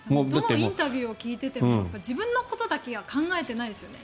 インタビューを聞いていても自分のことだけってことは考えてないですよね。